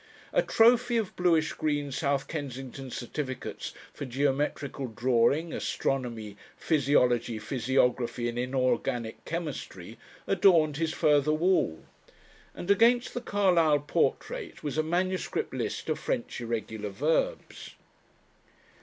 A trophy of bluish green South Kensington certificates for geometrical drawing, astronomy, physiology, physiography, and inorganic chemistry adorned his further wall. And against the Carlyle portrait was a manuscript list of French irregular verbs.